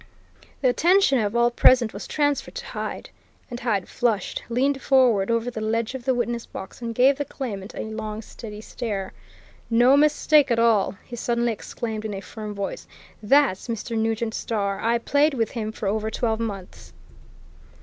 The attention of all present was transferred to Hyde. And Hyde flushed, leaned forward over the ledge of the witness box and gave the claimant a long, steady stare. "No mistake at all!" he suddenly exclaimed in a firm voice. "That's Mr. Nugent Starr! I played with him for over twelve months."